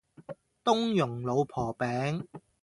冬蓉老婆餅